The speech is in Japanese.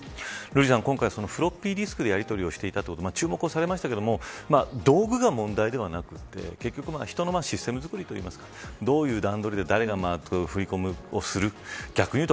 瑠麗さん、今回フロッピーディスクでやりとりしていたと注目されましたけれども道具が問題ではなくて結局、人のシステム作りというかどういう段取りで誰が振り込みをする。